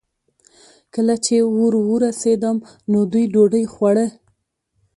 کله چې ور ورسېدم، نو دوی ډوډۍ خوړه.